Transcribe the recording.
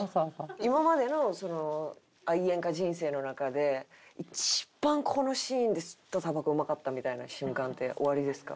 今までの愛煙家人生の中で一番このシーンで吸ったタバコうまかったみたいな瞬間っておありですか？